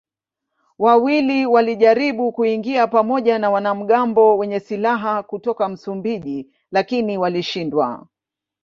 Wawili walijaribu kuingia pamoja na wanamgambo wenye silaha kutoka Msumbiji lakini walishindwa.